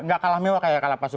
gak kalah mewah kayak kalapas